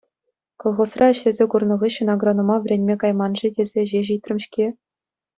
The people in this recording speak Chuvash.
Колхозра ӗҫлесе курнӑ хыҫҫӑн агронома вӗренме кайман-ши тесе ҫеҫ ыйтрӑм-ҫке..